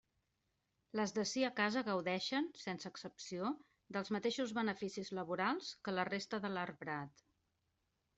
Les d'ací a casa gaudeixen, sense excepció, dels mateixos beneficis laborals que la resta de l'arbrat.